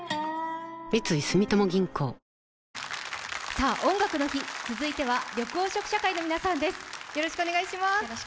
さあ、「音楽の日」続いては緑黄色社会の皆さんです。